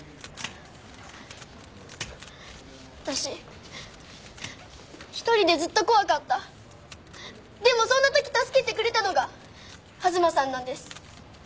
私１人でずっと怖かったでもそんな時助けてくれたのが東さんなんです